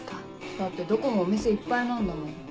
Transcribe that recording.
だってどこもお店いっぱいなんだもん。